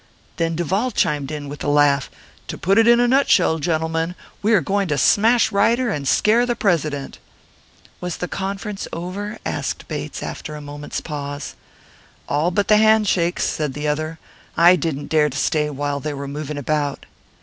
"And then Duval chimed in, with a laugh, 'To put it in a nutshell, gentlemen, we are going to smash Ryder and scare the President!'" "Was the conference over?" asked Bates, after a moment's pause. "All but the hand shakes," said the other. "I didn't dare to stay while they were moving about."